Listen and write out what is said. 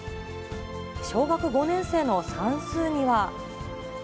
小学５年生の算数には。